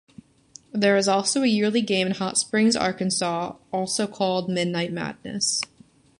There is also a yearly game in Hot Springs, Arkansas also called Midnight Madness.